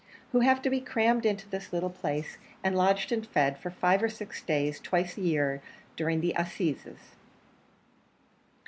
who have to be crammed into this little place, and lodged and fed for five or six days, twice a year during the assizes.